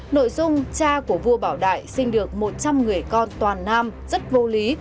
nội dung cha của vua bảo đại sinh được một trăm linh người con toàn nam rất vô lý